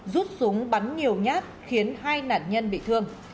rút súng bắn nhiều nhát khiến hai nạn nhân bị thương